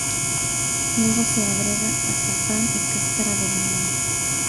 Luego se agrega azafrán y cáscara de limón.